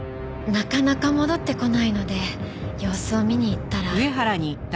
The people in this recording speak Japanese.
なかなか戻ってこないので様子を見に行ったら。